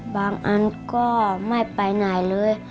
อันก็ไม่ไปไหนเลย